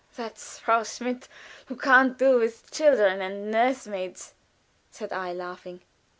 "That's Frau Schmidt, who can't do with children and nurse maids," said I, laughing.